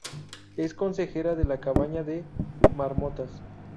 Es consejera de la cabaña de Marmotas.